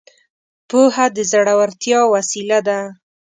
پوهه د زړورتيا وسيله ده.